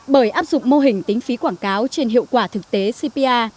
bởi áp dụng mô hình tính phí quảng cáo trên hiệu quả thực tế cpa